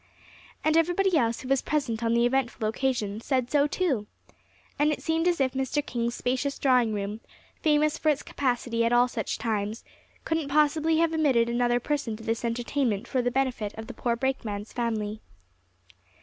And everybody else who was present on the eventful occasion, said so too! And it seemed as if Mr. King's spacious drawing room, famous for its capacity at all such times, couldn't possibly have admitted another person to this entertainment for the benefit of the poor brakeman's family.